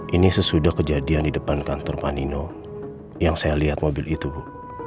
ini sesudah kejadian di depan kantor panino yang saya lihat mobil itu bu